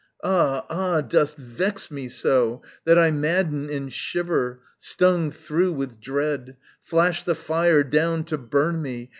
Ah! ah! dost vex me so That I madden and shiver Stung through with dread? Flash the fire down to burn me!